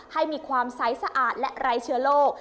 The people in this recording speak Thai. ให้มีความใสสะอาดและไร้เชื้อโรค